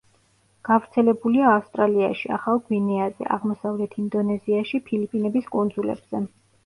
გავრცელებულია ავსტრალიაში, ახალ გვინეაზე, აღმოსავლეთ ინდონეზიაში, ფილიპინის კუნძულებზე.